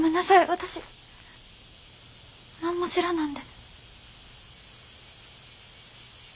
私何も知らなんで。